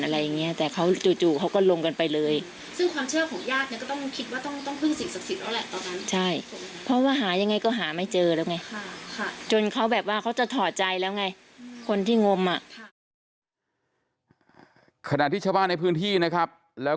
อะไรอย่างเงี้ยแต่เขาจู่เขาก็ลงกันไปเลยซึ่งความเชื่อของยาก